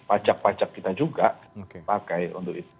pajak pajak kita juga pakai untuk itu